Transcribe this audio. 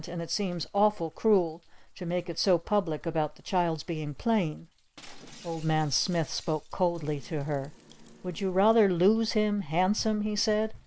"And it seems awful cruel to make it so public about the child's being plain!" Old Man Smith spoke coldly to her. "Would you rather lose him handsome," he said.